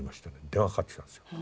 電話かかってきたんですよ。